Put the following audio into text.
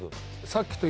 さっきと。